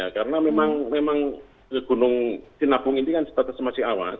karena memang gunung sinabung ini kan statusnya masih awas